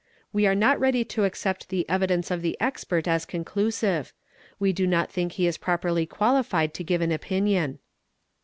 We are not ready to accept the evidence of the expert as 'conclusive. We do not think he is properly qualified to give an opinion.